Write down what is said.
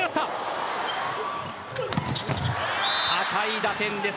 高い打点です。